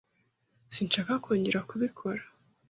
Sinshaka kongera kubikora.